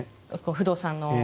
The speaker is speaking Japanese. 不動産の？